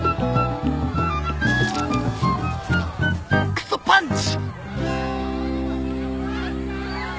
クソッパンチ！